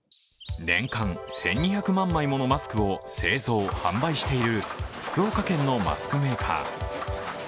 年間１２００万枚ものマスクを製造・販売している福岡県のマスクメーカー。